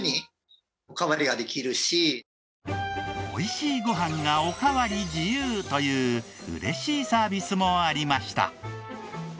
美味しいご飯がおかわり自由という嬉しいサービスもありました。